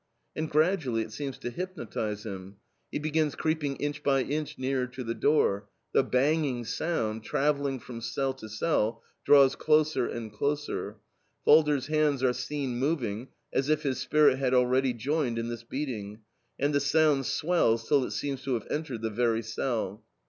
And gradually it seems to hypnotize him. He begins creeping inch by inch nearer to the door. The banging sound, traveling from cell to cell, draws closer and closer; Falder's hands are seen moving as if his spirit had already joined in this beating, and the sound swells till it seems to have entered the very cell.